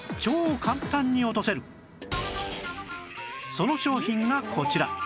その商品がこちら